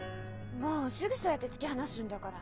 もうすぐそうやって突き放すんだから。